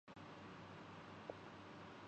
apple کا کوڑا بھارت کیلئے خزانہ بن سکتا ہے